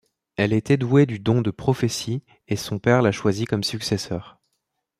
Elle était douée du don de prophétie, et son père la choisit comme successeur.